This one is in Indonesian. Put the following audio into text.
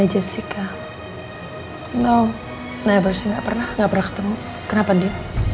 ini jessica hai no never singapura nggak pernah ketemu kenapa di